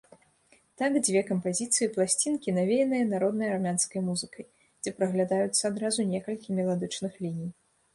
Так дзве кампазіцыі пласцінкі навеяныя народнай армянскай музыкай, дзе праглядаюцца адразу некалькі меладычных ліній.